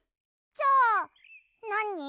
じゃあなに？